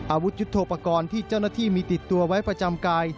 อาวุธยุทธโปรกรณ์ที่เจ้าหน้าที่มีติดตัวไว้ประจำกาย